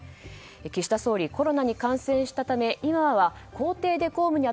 岸田総理、コロナに感染したため今は公邸で公務に